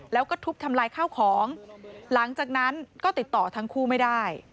แล้วก็ทุบทำลายข้าวของหลังจากนั้นก็ติดต่อทั้งคู่ไม่ได้